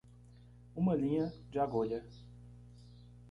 Uma linha de agulha